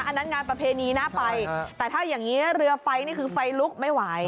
อันนั้นงานประเพณีน่าไปแต่ถ้าอย่างนี้เรือไฟนี่คือไฟลุกไม่ไหว